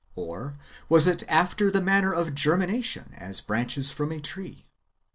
Or was it after the manner of germination, as branches from a tree ?